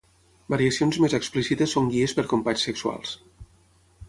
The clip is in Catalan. Variacions més explícites són guies per companys sexuals.